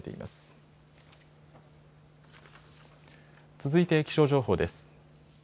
続いて気象情報です。